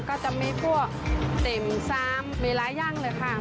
ก็จะมีพวกติ่มซามมีลายั่งเลยค่ะ